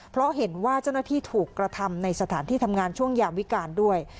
เพราะเห็นว่าเจ้าหน้าที่ถูกกระทำในสถานที่ทำงานช่วงยามวิการด้วย